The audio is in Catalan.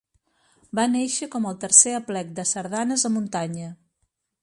Va néixer com el tercer Aplec de Sardanes a Muntanya.